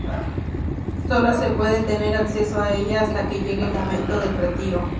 Sólo se puede tener acceso a ella hasta que llegue el momento del retiro.